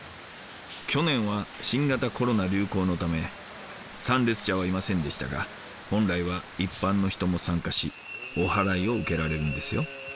去年は新型コロナ流行のため参列者はいませんでしたが本来は一般の人も参加しおはらいを受けられるんですよ。